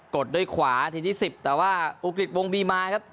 ดด้วยขวาทีที่๑๐แต่ว่าอุกฤษวงมีมาครับ